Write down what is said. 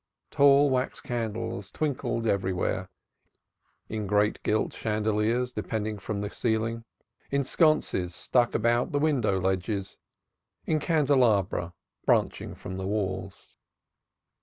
Tall wax candles twinkled everywhere, in great gilt chandeliers depending from the ceiling, in sconces stuck about the window ledges, in candelabra branching from the walls.